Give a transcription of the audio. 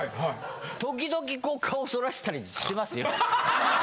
時々こう顔逸らしたりしてますよ。